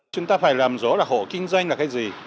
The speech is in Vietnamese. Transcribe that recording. chúng ta phải làm rõ là hộ kinh doanh là cái gì